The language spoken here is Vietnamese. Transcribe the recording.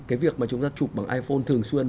cái việc mà chúng ta chụp bằng iphone thường xuyên